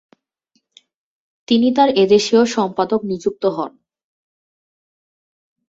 তিনি তার এদেশীয় সম্পাদক নিযুক্ত হন।